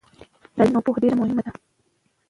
تعلیم او پوهه ډیره مهمه ده.